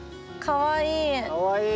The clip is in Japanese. かわいい。